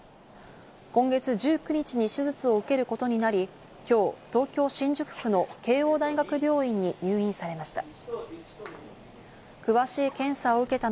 今月１９日に手術を受けることになり、今日、東京・新宿区の慶應大学病院に入院されました。